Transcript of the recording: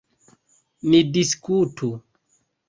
Ni diskutu.